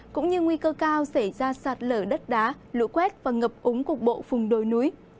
cũng như nguy cơ cao xảy ra sạt lở đất đá lũ quét và ngập úng cục bộ vùng đồi núi